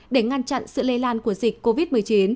để ngăn chặn sự lây lan của dịch covid một mươi chín